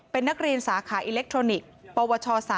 เป็นนักเรียนสาขาอิเล็กทรอนิกส์ปวช๓